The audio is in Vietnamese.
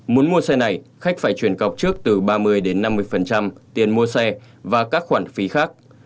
muốn mua xe này khách phải truyền cọc trước từ ba mươi đến năm mươi tiền mua xe và các khoản phí khác